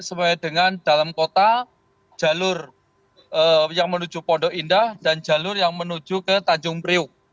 sesuai dengan dalam kota jalur yang menuju pondok indah dan jalur yang menuju ke tanjung priuk